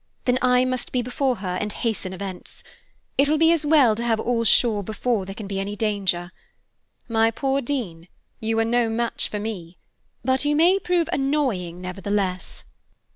Then I must be before her, and hasten events. It will be as well to have all sure before there can be any danger. My poor Dean, you are no match for me, but you may prove annoying, nevertheless."